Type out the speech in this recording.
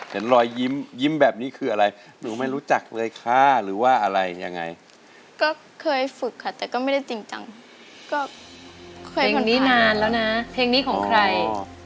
เห็นรอยยิ้มยิ้มแบบนี้คืออะไรหนูไม่รู้จักเลยค่ะหรือว่าอะไรยังไงก็เคยฝึกค่ะแต่ก็ไม่ได้จริงจังก็เคยกว่านี้นานแล้วนะเพลงนี้ของใคร